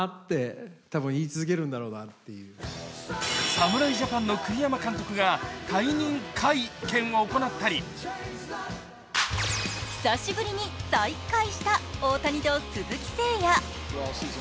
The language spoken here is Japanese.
侍ジャパンの栗山監督が退任会見を行ったり久しぶりに再会した大谷と鈴木誠也。